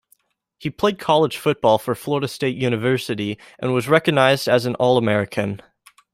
He played college football for Florida State University and was recognized as an All-American.